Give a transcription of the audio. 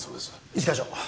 一課長。